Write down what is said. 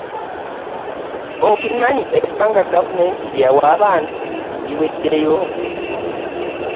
Okimanyi ebanga gavumenti lye yawa abantu liwedeyo.